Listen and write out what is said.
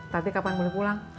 tadi kapan boleh pulang